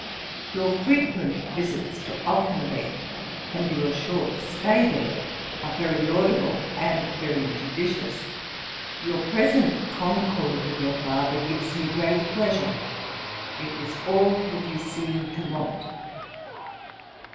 'Your frequent visits to Auchinleck, and your short stay there, are very laudable and very judicious. Your present concord with your father gives me great pleasure; it was all that you seemed to want.